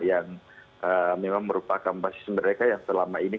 yang memang merupakan basis mereka yang selama ini